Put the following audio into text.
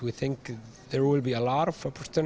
kita pikir akan ada banyak kesempatan